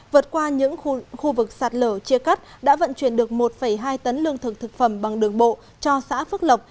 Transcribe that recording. vượt qua những khu vực sạt lở chia cắt đã vận chuyển được một hai tấn lương thực thực phẩm bằng đường bộ cho xã phước lộc